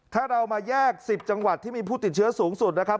ถ้าเรามาแยก๑๐จังหวัดที่มีผู้ติดเชื้อสูงสุดนะครับ